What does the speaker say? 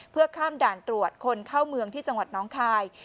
เพื่อข้ามด่านตรวจคนเข้าเมืองที่จังหวัดน้องคาย